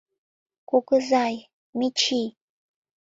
Кугызай, Мичий...